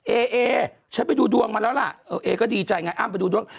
เอเอฉันไปดูดวงมาแล้วล่ะเออเอก็ดีใจไงอ้ำไปดูดวง